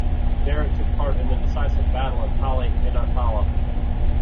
There it took part in the decisive Battle of Tali-Ihantala.